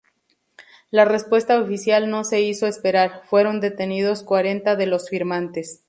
La respuesta oficial no se hizo esperar: fueron detenidos cuarenta de los firmantes.